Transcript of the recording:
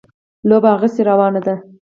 لوبه هغسې روانه ده.